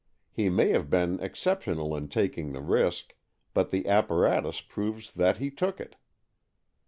He may have been exceptional in taking the risk, but the apparatus proves that he took it.